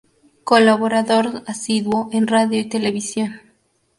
Colaborador asiduo en radio y televisión.